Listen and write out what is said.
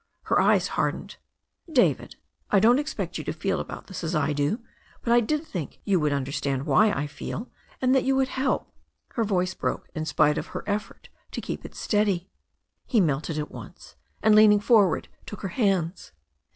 Her eyes hardened. "David, I don't expect you to feel about this as I do, but I did think you would understand why I feel, and that you would help " Her voice broke in spite of her effort to keep it steady. He melted at once, and, leaning forward, took her hands.